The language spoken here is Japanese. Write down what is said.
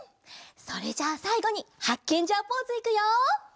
それじゃあさいごにハッケンジャーポーズいくよ！